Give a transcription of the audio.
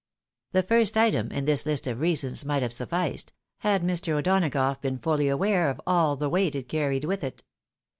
The first item in this list of reasons might have sufficed, had Mr. O'Donagough been fully aware of the weight it carried with it.